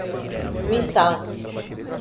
Missal